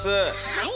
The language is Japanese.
はい！